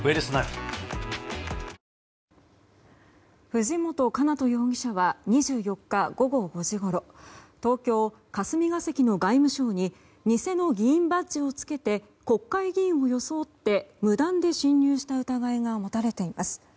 藤本叶人容疑者は２４日午後４時ごろ東京・霞が関の外務省に偽の議員バッジをつけて国会議員を装って無断で侵入した疑いが持たれています。